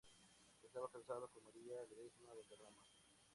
Estaba casado con María Ledesma Valderrama.